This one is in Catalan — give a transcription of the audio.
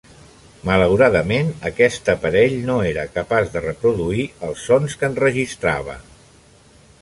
Malauradament aquest aparell no era capaç de reproduir els sons que enregistrava.